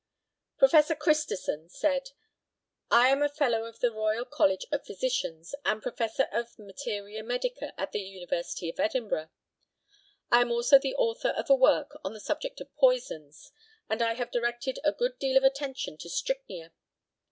Professor CHRISTISON said: I am a Fellow of the Royal College of Physicians, and Professor of Materia Medica to the University of Edinburgh; I am also the author of a work on the subject of poisons, and I have directed a good deal of attention to strychnia.